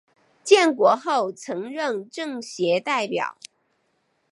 建国后曾任政协代表。